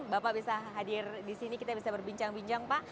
bapak bisa hadir di sini kita bisa berbincang bincang pak